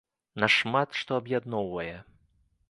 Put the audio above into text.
Нас шмат што аб'ядноўвае.